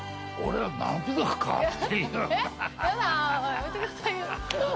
やめてくださいよ。